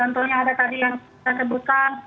contohnya ada tadi yang kita sebutkan